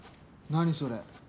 何それ？